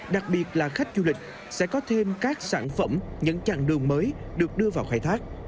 đặc biệt là khách du lịch sẽ có thêm các sản phẩm những chặng đường mới được đưa vào khai thác